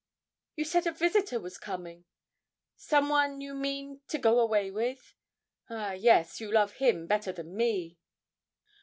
'You said a visitor was coming; some one, you mean, to go away with. Ah, yes, you love him better than me.'